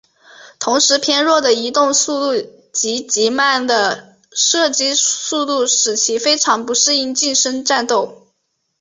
同时偏弱的移动速度及极慢的射击速度使其非常不适应近身战斗。